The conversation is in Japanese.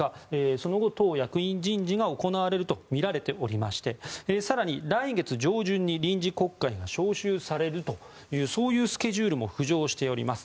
その後、党役員人事が行われるとみられておりまして更に、来月上旬に臨時国会も召集されるというそういうスケジュールも浮上しております。